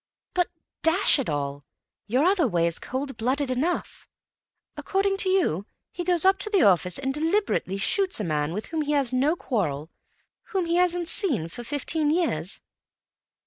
"But, dash it all, your other way is cold blooded enough. According to you, he goes up to the office and deliberately shoots a man with whom he has no quarrel, whom he hasn't seen for fifteen years!"